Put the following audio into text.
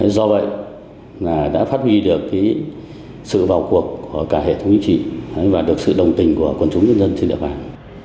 do vậy đã phát huy được sự vào cuộc của cả hệ thống chính trị và được sự đồng tình của quân chúng nhân dân trên địa bàn